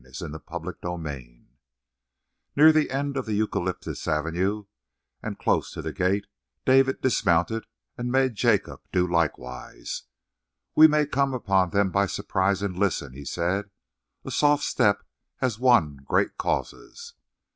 CHAPTER TWENTY ONE Near the end of the eucalyptus avenue, and close to the gate, David dismounted and made Jacob do likewise. "We may come on them by surprise and listen," he said. "A soft step has won great causes."